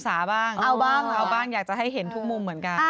เอาบ้างเอาบ้างอยากจะให้เห็นทุกมุมเหมือนกัน